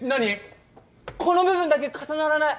この部分だけ重ならない。